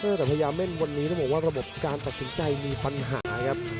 พยายามมีวันนี้ทุกคนว่าระบบการตัดสินใจมีปัญหาคำ